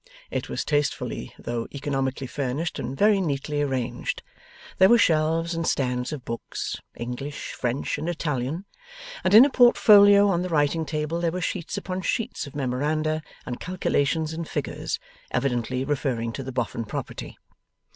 It was tastefully though economically furnished, and very neatly arranged. There were shelves and stands of books, English, French, and Italian; and in a portfolio on the writing table there were sheets upon sheets of memoranda and calculations in figures, evidently referring to the Boffin property.